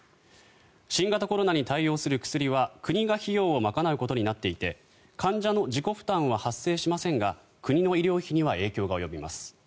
新型コロナに対応する薬は国が費用を賄うことになっていて患者の自己負担は発生しませんが国の医療費には影響が及びます。